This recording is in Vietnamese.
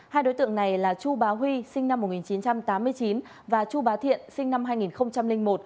hai đối tượng này là chu bá huy sinh năm một nghìn chín trăm tám mươi chín và chu bá thiện sinh năm hai nghìn một